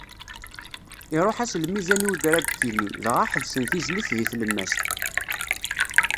Iruḥ-as lmizan i udrabki-nni, dɣa ḥebsen tizlit deg tlemmast.